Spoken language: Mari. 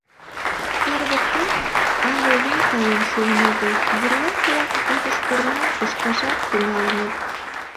Сер воктен але лум каен шуын огыл, бурлак-влак вӱдыш пырням кышкашат тӱҥалыныт.